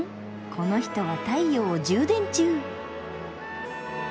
この人は太陽を充電中！